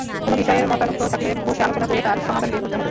কোনো বিষয়ে মতানৈক্য থাকলে বসে আলোচনা করে তার সমাধান বের করতে হবে।